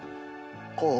こう？